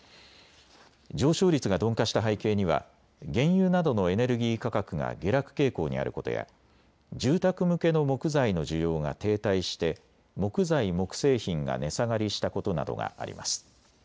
上昇率が鈍化した背景には原油などのエネルギー価格が下落傾向にあることや住宅向けの木材の需要が停滞して木材・木製品が値下がりしたことなどがあります。